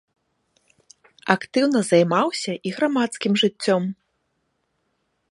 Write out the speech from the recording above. Актыўна займаўся і грамадскім жыццём.